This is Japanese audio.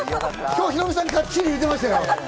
今日、ヒロミさんがっちり入れてましたよ。